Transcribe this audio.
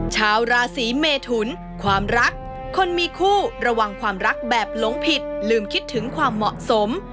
ชาวราศีเมทุนความรักคนมีคู่ระวังความรักแบบหลงผิดลืมคิดถึงความเหมาะสม